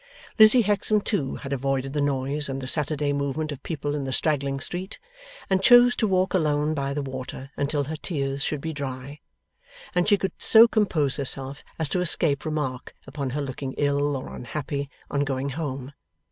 Lizzie Hexam, too, had avoided the noise, and the Saturday movement of people in the straggling street, and chose to walk alone by the water until her tears should be dry, and she could so compose herself as to escape remark upon her looking ill or unhappy on going home.